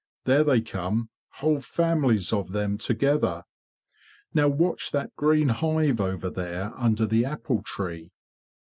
There they come— whole families of them together! Now watch that green hive over there under the apple tree."